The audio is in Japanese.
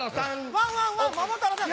ワンワンワン桃太郎さん。